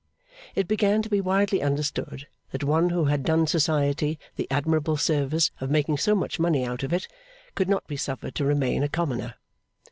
It began to be widely understood that one who had done society the admirable service of making so much money out of it, could not be suffered to remain a commoner.